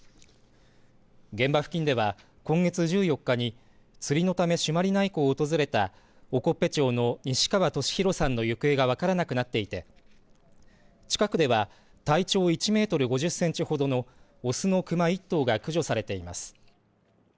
現場付近では今月１４日に釣りのため朱鞠内湖を訪れた興部町の西川俊宏さんの行方が分からなくなっていて近くでは体長１メートル５０センチほどの雄の熊１頭が駆除されています。